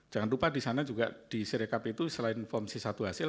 jangan lupa di sana juga di sirekap itu selain fungsi satu hasil